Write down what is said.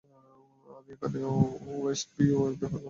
আমি এখানে ওয়েস্টভিউ এর ব্যাপারে কথা বলতে আসিনি।